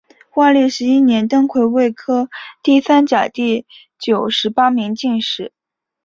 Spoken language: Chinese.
万历十一年登癸未科第三甲第九十八名进士。